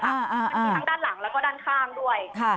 มันมีทั้งด้านหลังแล้วก็ด้านข้างด้วย